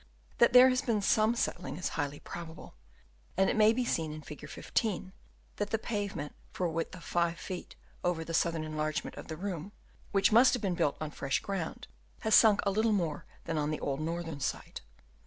That there has been some settling is highly probable, and it may be seen in Fig. 15 that the pavement for a width of 5 feet over the southern enlargement of the room, which must have been built on fresh ground, has sunk a little more than on the old northern side.